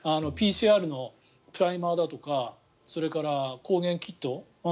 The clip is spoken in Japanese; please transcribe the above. ＰＣＲのプライマーだとかそれから抗原キット